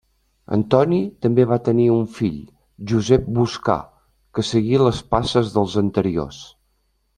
Antoni també va tenir un fill, Josep Boscà, que seguí les passes dels anteriors.